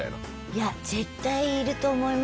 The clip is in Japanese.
いや絶対いると思いますよ。